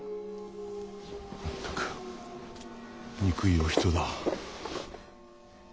全く憎いお人だ。